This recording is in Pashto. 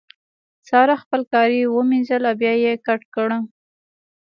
سارا خپل کالي ومينځل او بيا يې کت کړې.